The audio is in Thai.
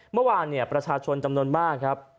เมื่อวานประชาชนจำนวนมากครับ